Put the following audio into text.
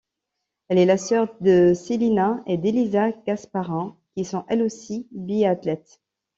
Elle est la sœur de Selina et d'Elisa Gasparin, qui sont elles aussi biathlètes.